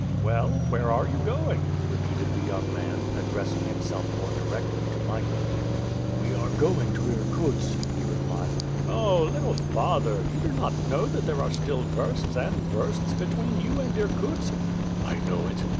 "Well, where are you going?" repeated the young man, addressing himself more directly to Michael. "We are going to Irkutsk," he replied. "Oh! little father, you do not know that there are still versts and versts between you and Irkutsk?" "I know it."